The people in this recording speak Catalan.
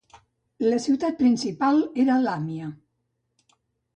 La ciutat principal era Làmia.